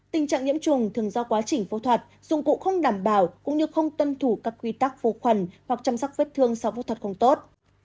tình trạng nhiễm trùng thường do quá trình phẫu thuật dụng cụ không đảm bảo cũng như không tuân thủ các quy tắc phù khuẩn hoặc chăm sóc vết thương sau phẫu thuật không tốt